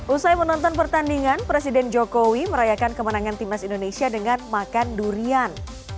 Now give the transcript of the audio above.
usai menonton pertandingan presiden jokowi merayakan kemenangan timnas indonesia dengan makan durian